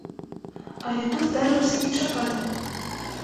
Але тут здарылася нечаканае.